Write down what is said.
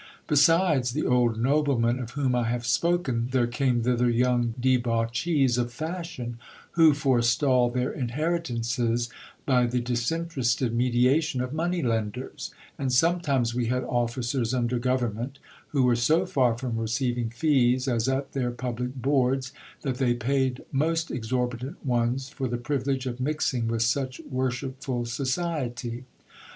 Besides the old noblemen of whom I have spoken, there came thither young debauchees of fashion, who forestalled their inherit ances by the disinterested mediation of money lenders : and sometimes we had officers under government, who were so far from receiving fees, as at their public boards, that they paid most exorbitant ones for the privilege of mixing with such worshipful society.